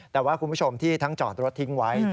แต่ว่าคุณผู้ชมที่ทั้งจอดรถทิ้งไว้